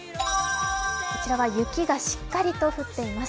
こちらは雪がしっかりと降っています。